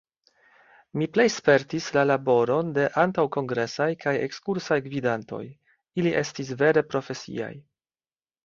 Mi plej spertis la laboron de antaŭkongresaj kaj ekskursaj gvidantoj: ili estis vere profesiaj.